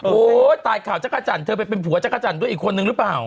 โอ้ตายข่าวจักรจันทร์เธอไปเป็นผัวจักรจันทร์ด้วยอีกคนนึงหรือเปล่า